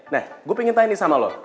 nah gue pengen tanya nih sama lo